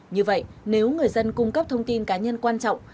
như vậy nếu người dân cung cấp thông tin cá nhân quan trọng